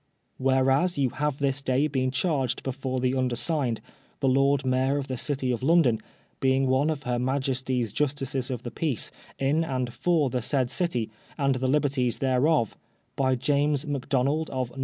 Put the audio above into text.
Whereas you have this day been charged before the under signed, the Lord Mayor of the City of London, being one of her jy&jesty's Justices of the Peace in and for the said City and the Liberties thereof, by James Macdonald, of No.